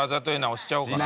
押しちゃおうかな。